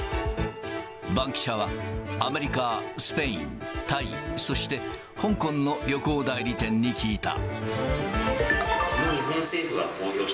バンキシャはアメリカ、スペイン、タイ、そして香港の旅行代理店に聞いた。